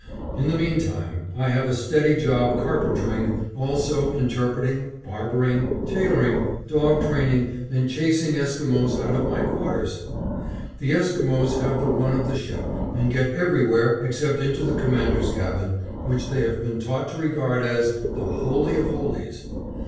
In the meantime, I have a steady job carpentering, also interpreting, barbering, tailoring, dog training, and chasing Esquimos out of my quarters. The Esquimos have the run of the ship and get everywhere except into the Commander's cabin, which they have been taught to regard as "The Holy of Holies."